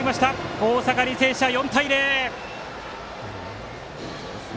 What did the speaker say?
大阪・履正社４対０。